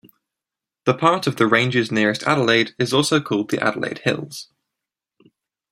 The part of the ranges nearest Adelaide is also called the Adelaide Hills.